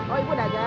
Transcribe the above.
oh ibu dagang